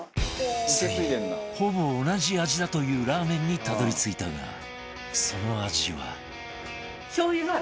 ついにほぼ同じ味だというラーメンにたどり着いたがその味は